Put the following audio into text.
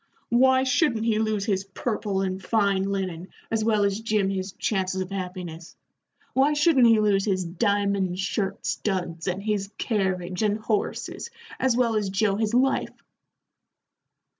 Why shouldn't he lose his purple and fine linen as well as Jim his chances of happiness? Why shouldn't he lose his diamond shirt studs, and his carriage and horses, as well as Joe his life?"